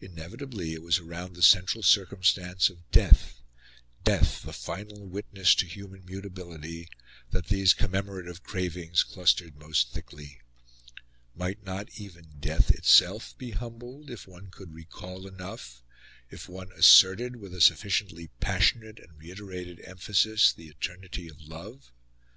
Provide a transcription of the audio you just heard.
Inevitably it was around the central circumstance of death death, the final witness to human mutability that these commemorative cravings clustered most thickly. Might not even death itself be humbled, if one could recall enough if one asserted, with a sufficiently passionate and reiterated emphasis, the eternity of love?